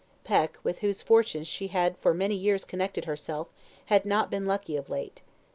Peck, with whose fortunes she had for many years connected herself, had not been lucky of late.